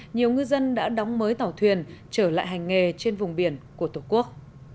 nhiều ngư dân đã đóng mới tàu thuyền trở lại hành nghề trên vùng biển của tổ quốc